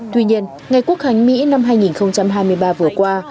tuy nhiên ngày quốc hành mỹ năm hai nghìn hai mươi ba vừa qua